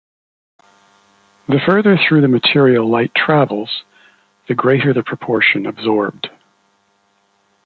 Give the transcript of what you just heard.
The further through the material light travels, the greater the proportion absorbed.